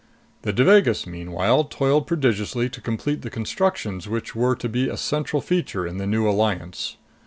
The Devagas meanwhile toiled prodigiously to complete the constructions which were to be a central feature in the new alliance.